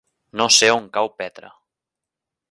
No sé on cau Petra.